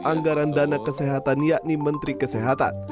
anggaran dana kesehatan yakni menteri kesehatan